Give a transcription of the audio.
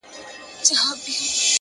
هره ورځ د نوې پیل امکان لري،